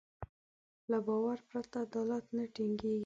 له باور پرته عدالت نه ټينګېږي.